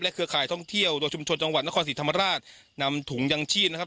เครือข่ายท่องเที่ยวโดยชุมชนจังหวัดนครศรีธรรมราชนำถุงยังชีพนะครับ